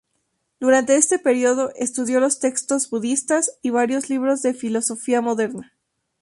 Durante este periodo, estudió los textos budistas y varios libros de filosofía moderna.